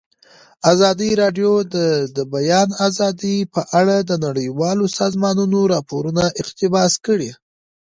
ازادي راډیو د د بیان آزادي په اړه د نړیوالو سازمانونو راپورونه اقتباس کړي.